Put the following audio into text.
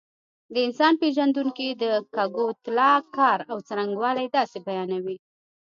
د انسان پېژندونکي د کګوتلا کار او څرنګوالی داسې بیانوي.